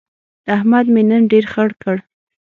احمد مې نن ډېر خړ کړ.